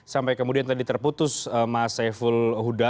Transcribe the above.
sampai kemudian tadi terputus mas evo luda